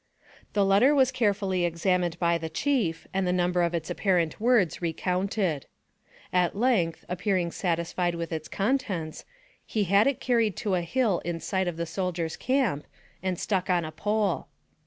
The letter was carefully examined by the chief, and the number of its apparent words recounted. At length, appearing satisfied with its contents, he had it carried to a hill in sight of the soldier's camp, and stuck on a pole.